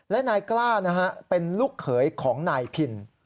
และนายกล้านะฮะเป็นลูกเขยของนายพิน